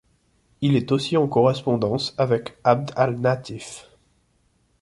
Il est aussi en correspondance avec Abd Al-Natif.